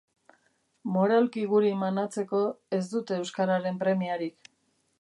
Moralki guri manatzeko ez dute euskararen premiarik.